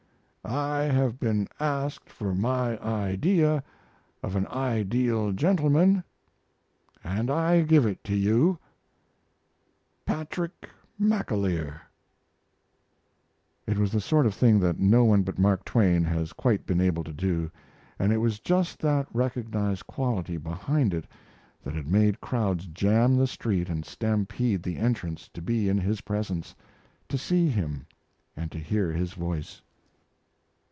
I have been asked for my idea of an ideal gentleman, and I give it to you Patrick McAleer. It was the sort of thing that no one but Mark Twain has quite been able to do, and it was just that recognized quality behind it that had made crowds jam the street and stampede the entrance to be in his presence to see him and to hear his voice.